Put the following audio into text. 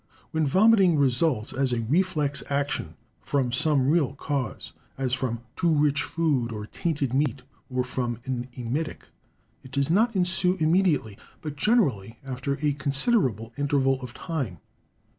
When vomiting results, as a reflex action, from some real cause—as from too rich food, or tainted meat, or from an emetic—it does not ensue immediately, but generally after a considerable interval of time.